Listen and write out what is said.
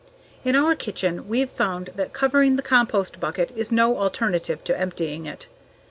In our kitchen, we've found that covering the compost bucket is no alternative to emptying it.